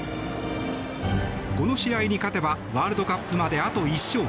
この試合に勝てばワールドカップまであと１勝。